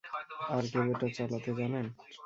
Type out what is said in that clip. আর কেউ এটা চালাতে জানেন?